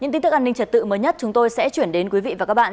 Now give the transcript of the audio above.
những tin tức an ninh trật tự mới nhất chúng tôi sẽ chuyển đến quý vị và các bạn